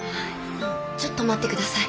ちょっと待って下さい。